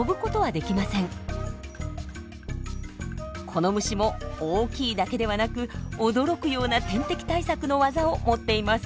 この虫も大きいだけではなく驚くような天敵対策のワザを持っています。